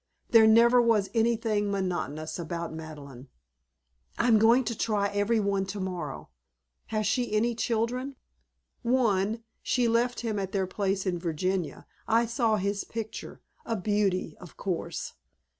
There never was anything monotonous about Madeleine." "I'm going to try every one tomorrow. Has she any children?" "One. She left him at their place in Virginia. I saw his picture. A beauty, of course."